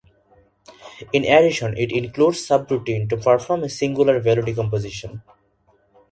In addition it includes subroutines to perform a singular value decomposition.